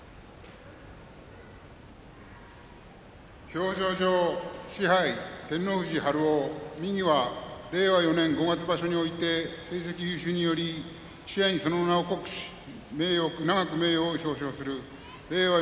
表彰状賜盃照ノ富士春雄右は令和４年五月場所において成績優秀により賜盃に、その名を刻し永く名誉を表彰する令和